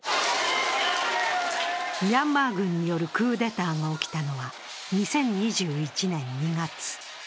ミャンマー軍によるクーデターが起きたのは、２０２１年２月。